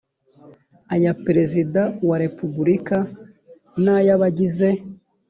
aya perezida wa repubulika n ay abagize